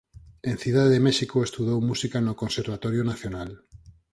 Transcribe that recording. En Cidade de México estudou música no Conservatorio Nacional.